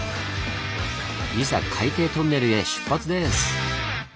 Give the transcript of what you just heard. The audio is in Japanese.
いざ海底トンネルへ出発です！